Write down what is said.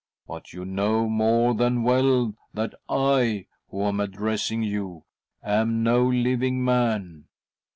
But you know more than well that I, who am addressing you, am no living man.